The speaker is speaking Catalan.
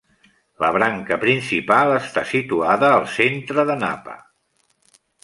La branca principal està situada al centre de Napa.